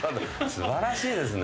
素晴らしいですね。